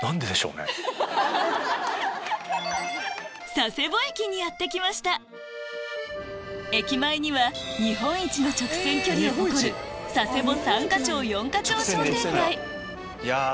佐世保駅にやって来ました駅前には日本一の直線距離を誇る佐世保三ヶ町四ヶ町商店街